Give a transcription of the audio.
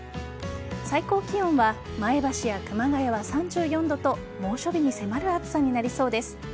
最高気温は、前橋や熊谷は３４度と猛暑日に迫る暑さになりそうです。